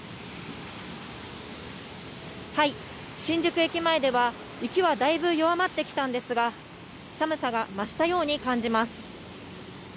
新宿駅前では、雪はだいぶ弱まってきたんですが、寒さが増したように感じます。